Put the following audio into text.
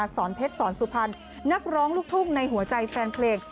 สอนเพชรสอนสุพรรณนักร้องลูกทุ่งในหัวใจแฟนเพลง